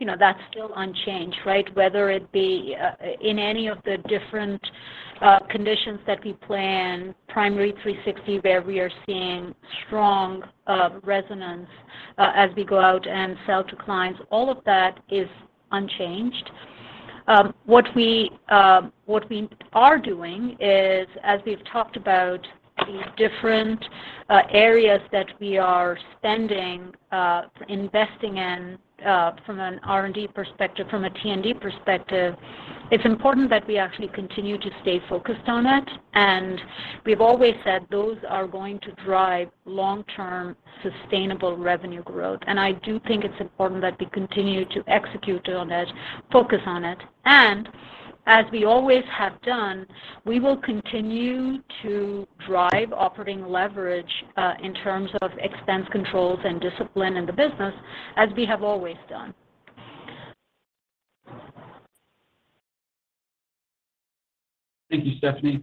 you know, that's still unchanged, right? Whether it be in any of the different conditions that we plan, Primary360, where we are seeing strong resonance as we go out and sell to clients, all of that is unchanged. What we are doing is, as we've talked about these different areas that we are spending, investing in, from an R&D perspective, from a T&D perspective, it's important that we actually continue to stay focused on it, and we've always said those are going to drive long-term sustainable revenue growth. I do think it's important that we continue to execute on it, focus on it, and as we always have done, we will continue to drive operating leverage, in terms of expense controls and discipline in the business as we have always done. Thank you, Stephanie.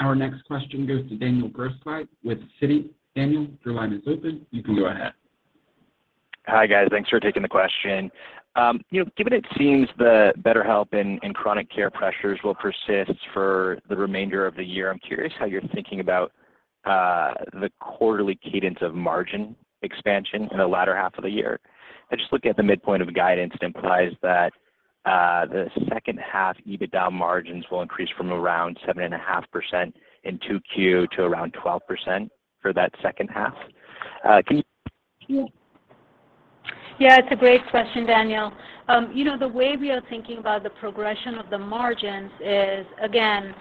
Our next question goes to Daniel Grosslight with Citi. Daniel, your line is open. You can go ahead. Hi, guys. Thanks for taking the question. You know, given it seems the BetterHelp and Chronic Care pressures will persist for the remainder of the year, I'm curious how you're thinking about the quarterly cadence of margin expansion in the latter half of the year? I just look at the midpoint of guidance implies that the second half EBITDA margins will increase from around 7.5% in 2Q to around 12% for that second half. Can- Yeah, it's a great question, Daniel. You know, the way we are thinking about the progression of the margins is, again,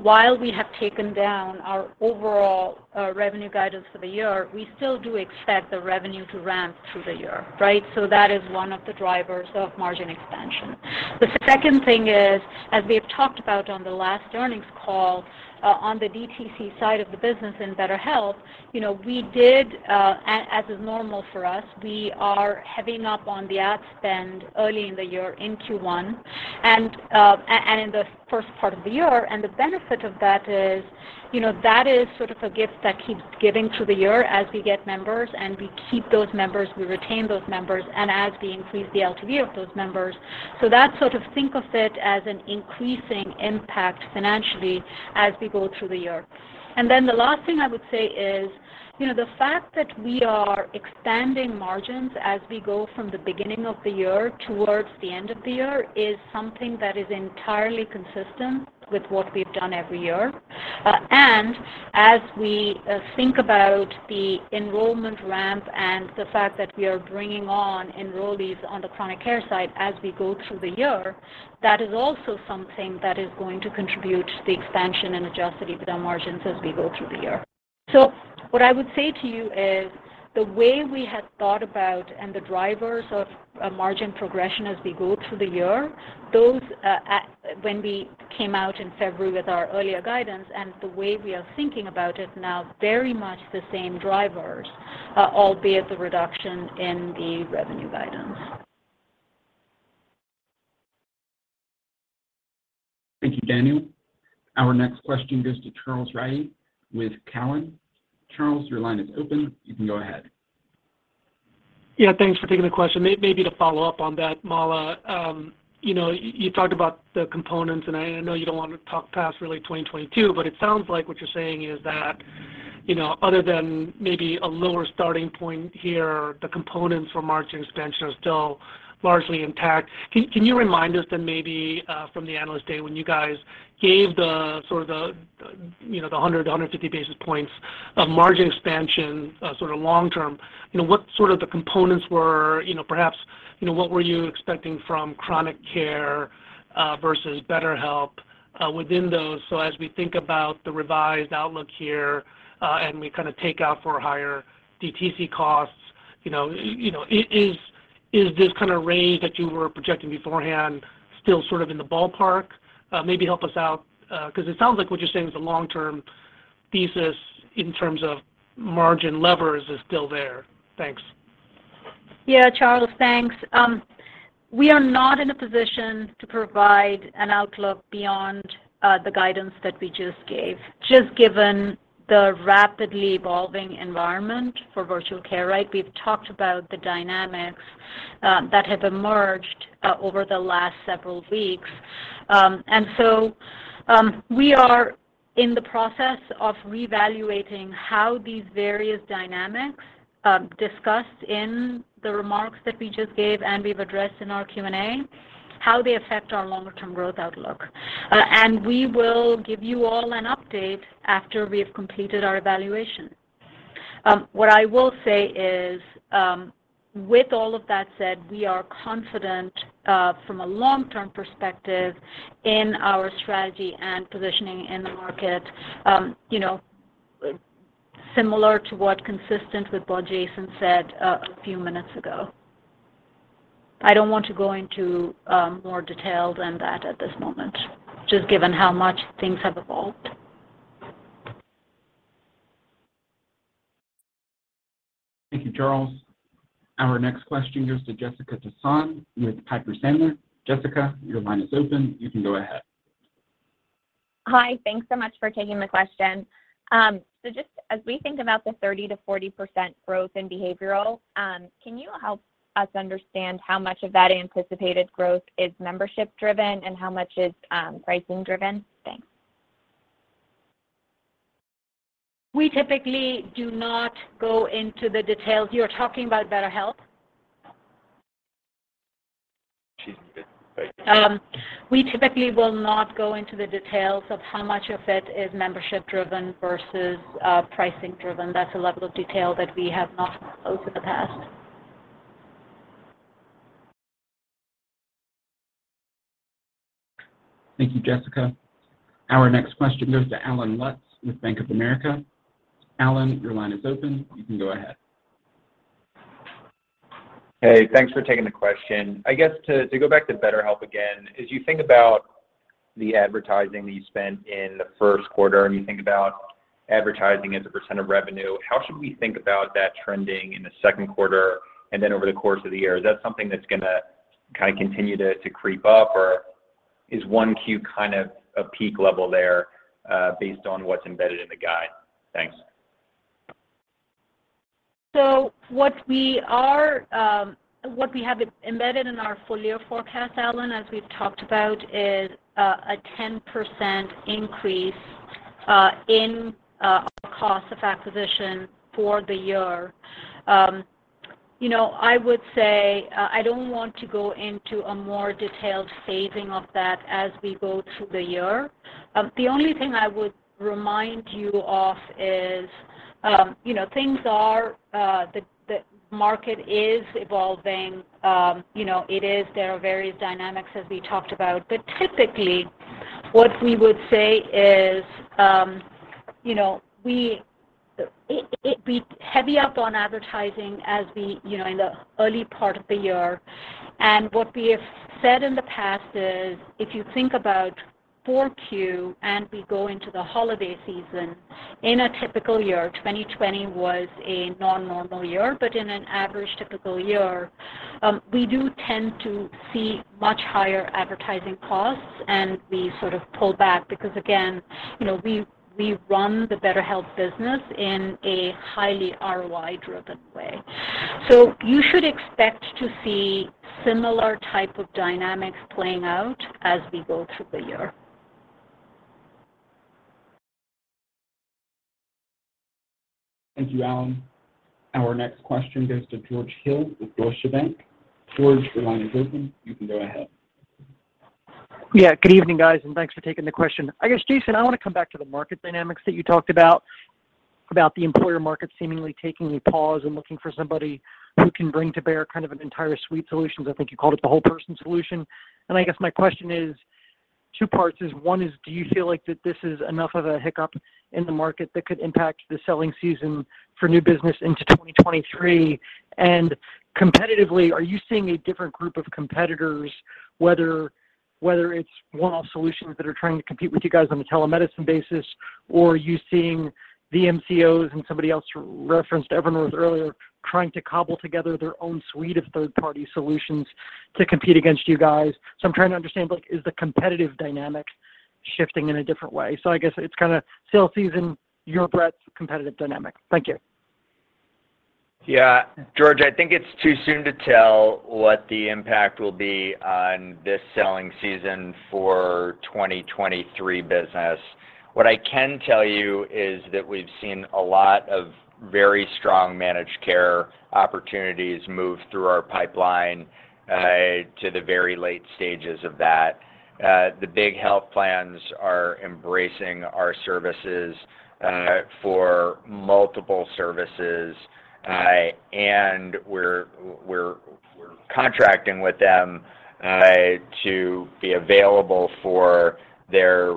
while we have taken down our overall revenue guidance for the year, we still do expect the revenue to ramp through the year, right? That is one of the drivers of margin expansion. The second thing is, as we've talked about on the last earnings call, on the DTC side of the business in BetterHelp, you know, we did, as is normal for us, we are heavy up on the ad spend early in the year in Q1, and in the first part of the year. The benefit of that is, you know, that is sort of a gift that keeps giving through the year as we get members, and we keep those members, we retain those members, and as we increase the LTV of those members. That's sort of think of it as an increasing impact financially as we go through the year. The last thing I would say is, you know, the fact that we are expanding margins as we go from the beginning of the year towards the end of the year is something that is entirely consistent with what we've done every year. As we think about the enrollment ramp and the fact that we are bringing on enrollees on the Chronic Care side as we go through the year, that is also something that is going to contribute to the expansion and adjust the EBITDA margins as we go through the year. What I would say to you is the way we had thought about and the drivers of a margin progression as we go through the year, those, when we came out in February with our earlier guidance and the way we are thinking about it now, very much the same drivers, albeit the reduction in the revenue guidance. Thank you, Daniel. Our next question goes to Charles Rhyee with Cowen. Charles, your line is open, you can go ahead. Yeah, thanks for taking the question. Maybe to follow-up on that, Mala, you know, you talked about the components, and I know you don't wanna talk past really 2022, but it sounds like what you're saying is that, you know, other than maybe a lower starting point here, the components for margin expansion are still largely intact. Can you remind us then maybe from the Analyst Day when you guys gave the sort of the, you know, the 150 basis points of margin expansion, sort of long term, you know, what sort of the components were, you know, perhaps, you know, what were you expecting from Chronic Care versus BetterHelp within those? As we think about the revised outlook here, and we kinda take out for higher DTC costs, you know, is this kind of range that you were projecting beforehand still sort of in the ballpark? Maybe help us out, 'cause it sounds like what you're saying is the long-term thesis in terms of margin levers is still there. Thanks. Yeah, Charles, thanks. We are not in a position to provide an outlook beyond the guidance that we just gave, just given the rapidly evolving environment for virtual care, right? We've talked about the dynamics that have emerged over the last several weeks. We are in the process of reevaluating how these various dynamics discussed in the remarks that we just gave and we've addressed in our Q&A affect our long-term growth outlook. We will give you all an update after we have completed our evaluation. What I will say is, with all of that said, we are confident from a long-term perspective in our strategy and positioning in the market, you know, similar to, consistent with what Jason said a few minutes ago. I don't want to go into more detail than that at this moment, just given how much things have evolved. Thank you, Charles. Our next question goes to Jessica Tassan with Piper Sandler. Jessica, your line is open, you can go ahead. Hi. Thanks so much for taking the question. Just as we think about the 30%-40% growth in behavioral, can you help us understand how much of that anticipated growth is membership driven and how much is pricing driven? Thanks. We typically do not go into the details. You're talking about BetterHelp? BetterHelp. We typically will not go into the details of how much of it is membership driven versus, pricing driven. That's a level of detail that we have not disclosed in the past. Thank you, Jessica. Our next question goes to Allen Lutz with Bank of America. Allen, your line is open, you can go ahead. Hey, thanks for taking the question. I guess to go back to BetterHelp again, as you think about the advertising that you spent in the first quarter, and you think about advertising as a percent of revenue, how should we think about that trending in the second quarter and then over the course of the year? Is that something that's gonna kinda continue to creep up, or is 1Q kind of a peak level there, based on what's embedded in the guide? Thanks. What we have embedded in our full year forecast, Allen, as we've talked about, is a 10% increase in our cost of acquisition for the year. I would say I don't want to go into a more detailed breakdown of that as we go through the year. The only thing I would remind you of is the market is evolving. It is. There are various dynamics as we talked about. Typically, what we would say is we heavy up on advertising in the early part of the year. What we have said in the past is, if you think about 4Q, and we go into the holiday season, in a typical year, 2020 was a non-normal year, but in an average typical year, we do tend to see much higher advertising costs, and we sort of pull back because, again, you know, we run the BetterHelp business in a highly ROI-driven way. You should expect to see similar type of dynamics playing out as we go through the year. Thank you, Allen. Our next question goes to George Hill with Deutsche Bank. George, your line is open, you can go ahead. Yeah, good evening, guys, and thanks for taking the question. I guess, Jason, I wanna come back to the market dynamics that you talked about the employer market seemingly taking a pause and looking for somebody who can bring to bear kind of an entire suite solution. I think you called it the whole person solution. I guess my question is Two parts is one is do you feel like that this is enough of a hiccup in the market that could impact the selling season for new business into 2023? Competitively, are you seeing a different group of competitors, whether it's one-off solutions that are trying to compete with you guys on a telemedicine basis, or are you seeing the MCOs and somebody else referenced, Evernorth earlier, trying to cobble together their own suite of third-party solutions to compete against you guys. I'm trying to understand, like, is the competitive dynamic shifting in a different way? I guess it's kinda sale season, your threat, competitive dynamic. Thank you. Yeah. George, I think it's too soon to tell what the impact will be on this selling season for 2023 business. What I can tell you is that we've seen a lot of very strong managed care opportunities move through our pipeline to the very late stages of that. The big health plans are embracing our services for multiple services. We're contracting with them to be available for their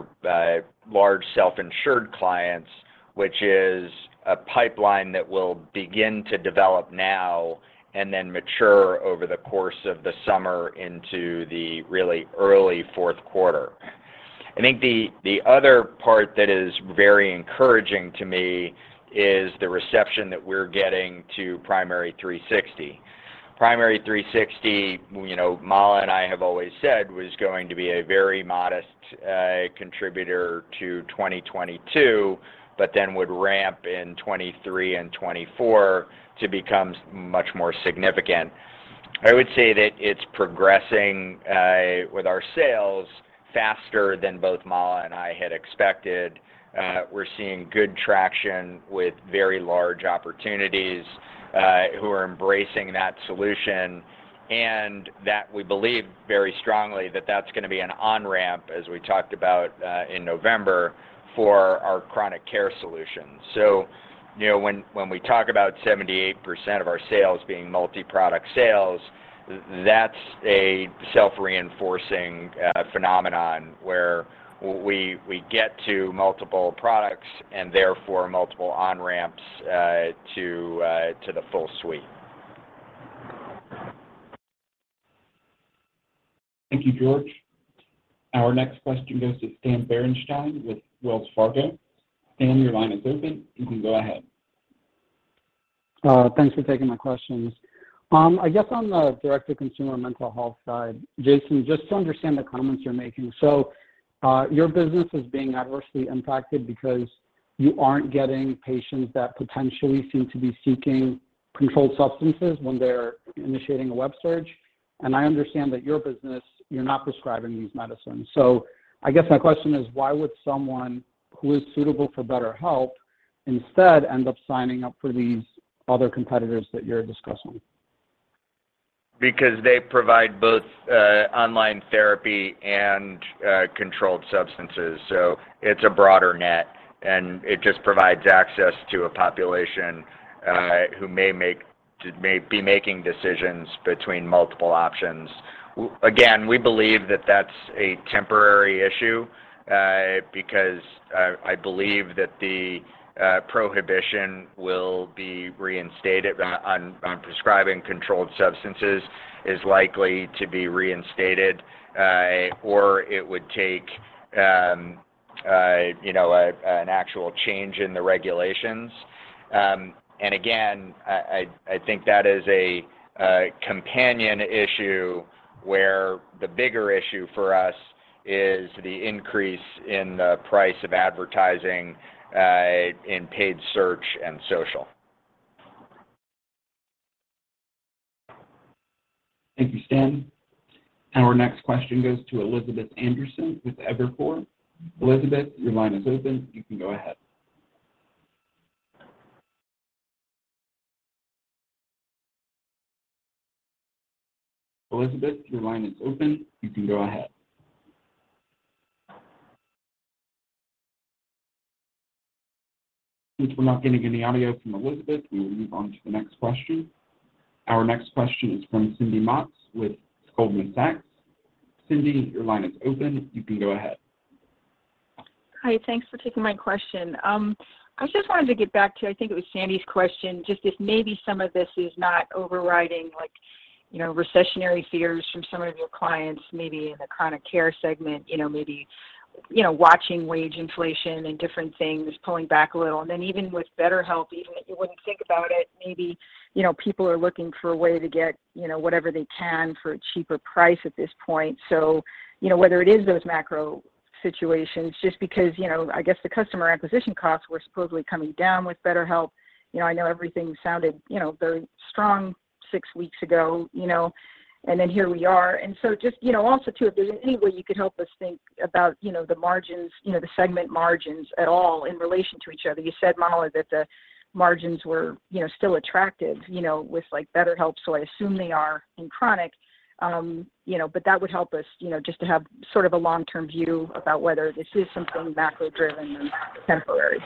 large self-insured clients, which is a pipeline that will begin to develop now and then mature over the course of the summer into the really early fourth quarter. I think the other part that is very encouraging to me is the reception that we're getting to Primary360. Primary360, you know, Mala and I have always said was going to be a very modest contributor to 2022, but then would ramp in 2023 and 2024 to become much more significant. I would say that it's progressing with our sales faster than both Mala and I had expected. We're seeing good traction with very large opportunities who are embracing that solution, and that we believe very strongly that that's gonna be an on-ramp as we talked about in November for our chronic care solution. You know, when we talk about 78% of our sales being multi-product sales, that's a self-reinforcing phenomenon where we get to multiple products and therefore multiple on-ramps to the full suite. Thank you, George. Our next question goes to Stan Berenshteyn with Wells Fargo. Stan, your line is open. You can go ahead. Thanks for taking my questions. I guess on the direct-to-consumer mental health side, Jason, just to understand the comments you're making. Your business is being adversely impacted because you aren't getting patients that potentially seem to be seeking controlled substances when they're initiating a web search. I understand that your business, you're not prescribing these medicines. I guess my question is, why would someone who is suitable for BetterHelp instead end up signing up for these other competitors that you're discussing? Because they provide both online therapy and controlled substances, so it's a broader net, and it just provides access to a population who may be making decisions between multiple options. Again, we believe that that's a temporary issue because I believe that the prohibition on prescribing controlled substances is likely to be reinstated or it would take you know an actual change in the regulations. Again, I think that is a companion issue where the bigger issue for us is the increase in the price of advertising in paid search and social. Thank you, Stan. Our next question goes to Elizabeth Anderson with Evercore. Elizabeth, your line is open. You can go ahead. Elizabeth, your line is open. You can go ahead. Since we're not getting any audio from Elizabeth, we will move on to the next question. Our next question is from Cindy Motz with Goldman Sachs. Cindy, your line is open. You can go ahead. Hi. Thanks for taking my question. I just wanted to get back to, I think it was Sandy's question, just if maybe some of this is not overriding, like, you know, recessionary fears from some of your clients, maybe in the Chronic Care segment, you know, maybe, you know, watching wage inflation and different things, pulling back a little. Even with BetterHelp, even if you wouldn't think about it, maybe, you know, people are looking for a way to get, you know, whatever they can for a cheaper price at this point. You know, whether it is those macro situations, just because, you know, I guess the customer acquisition costs were supposedly coming down with BetterHelp. You know, I know everything sounded, you know, very strong six weeks ago, you know, and then here we are. Just, you know, also too, if there's any way you could help us think about, you know, the margins, you know, the segment margins at all in relation to each other. You said, Mala, that the margins were, you know, still attractive, you know, with like, BetterHelp, so I assume they are in chronic. You know, but that would help us, you know, just to have sort of a long-term view about whether this is something macro driven and temporary?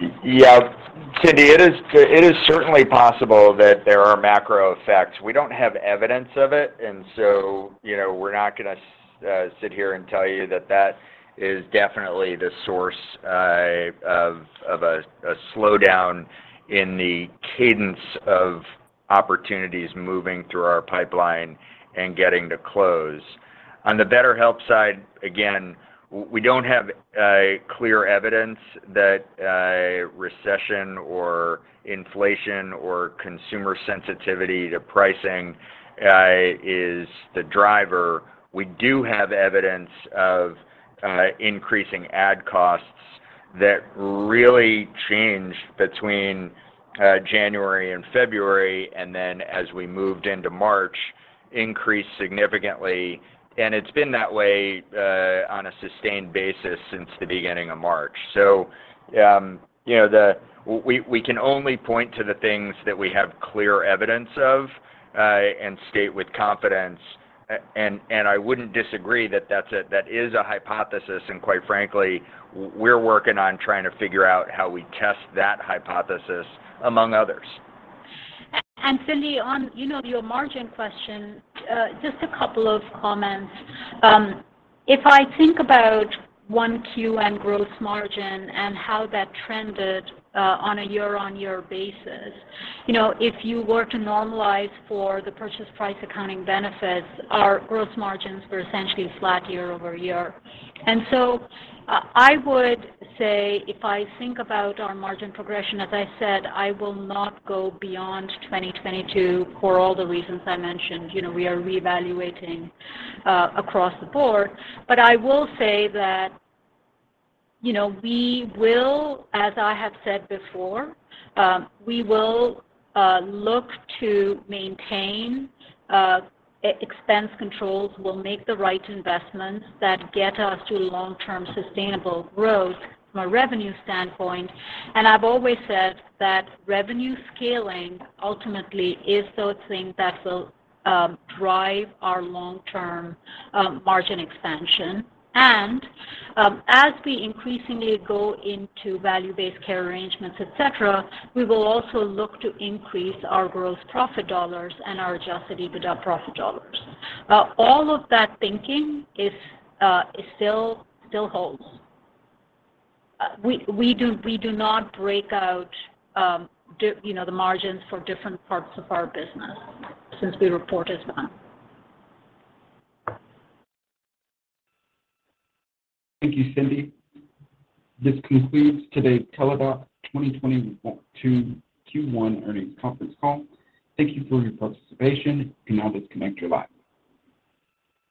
Thanks. Yeah. Cindy, it is certainly possible that there are macro effects. We don't have evidence of it, and so, you know, we're not gonna sit here and tell you that that is definitely the source of a slowdown in the cadence of opportunities moving through our pipeline and getting to close. On the BetterHelp side, again, we don't have a clear evidence that a recession or inflation or consumer sensitivity to pricing is the driver. We do have evidence of increasing ad costs that really changed between January and February, and then as we moved into March, increased significantly. It's been that way on a sustained basis since the beginning of March. We can only point to the things that we have clear evidence of and state with confidence. I wouldn't disagree that that is a hypothesis, and quite frankly, we're working on trying to figure out how we test that hypothesis, among others. Cindy, on, you know, your margin question, just a couple of comments. If I think about 1Q gross margin and how that trended, on a year-over-year basis, you know, if you were to normalize for the purchase price accounting benefits, our gross margins were essentially flat year-over-year. I would say if I think about our margin progression, as I said, I will not go beyond 2022 for all the reasons I mentioned. You know, we are reevaluating, across the board. I will say that, you know, we will, as I have said before, we will, look to maintain, expense controls. We'll make the right investments that get us to long-term sustainable growth from a revenue standpoint. I've always said that revenue scaling ultimately is the thing that will drive our long-term margin expansion. As we increasingly go into value-based care arrangements, et cetera, we will also look to increase our gross profit dollars and our adjusted EBITDA profit dollars. All of that thinking still holds. We do not break out the you know the margins for different parts of our business since we reported none. Thank you, Cindy. This concludes today's Teladoc 2022 Q1 earnings conference call. Thank you for your participation. You may now disconnect your line.